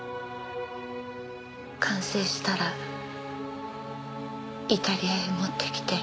完成したらイタリアへ持ってきて。